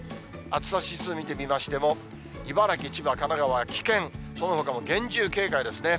暑さ指数見てみましても、茨城、千葉、神奈川は危険、そのほかも厳重警戒ですね。